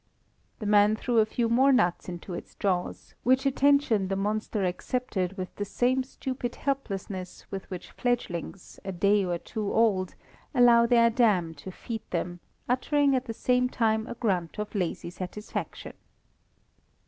The man threw a few more nuts into its jaws, which attention the monster accepted with the same stupid helplessness with which fledglings, a day or two old, allow their dam to feed them, uttering at the same time a grunt of lazy satisfaction.